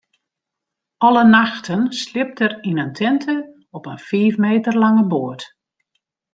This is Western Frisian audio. Alle nachten sliept er yn in tinte op in fiif meter lange boat.